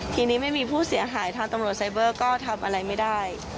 ทีนี้ไม่มีผู้เสียหายทางตำรวจไซเบอร์ก็ทำอะไรไม่ได้